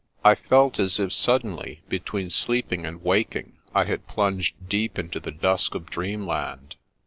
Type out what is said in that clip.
I felt as if suddenly, between sleeping and waking, I had plunged deep into the dusk of dreamland.